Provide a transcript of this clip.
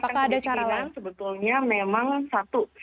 untuk meningkatkan kedisiplinan sebetulnya memang satu